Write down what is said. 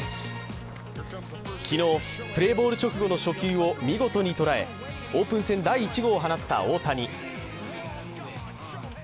昨日、プレーボール直後の初球を見事に捉え、オープン戦第１号を放った大谷。